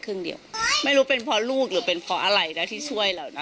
เดียวไม่รู้เป็นเพราะลูกหรือเป็นเพราะอะไรนะที่ช่วยเราได้